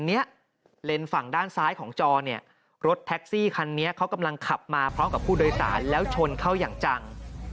เลนส์ฝั่งด้านซ้ายของจอเนี่ยรถแท็กซี่คันนี้เขากำลังขับมาพร้อมกับผู้โดยสารแล้วชนเข้าอย่างจัง